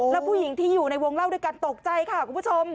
แล้วผู้หญิงที่อยู่ในวงเล่าด้วยกันตกใจค่ะคุณผู้ชม